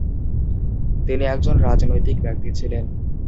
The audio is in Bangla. তিনি একজন রাজনৈতিক ব্যক্তি ছিলেন।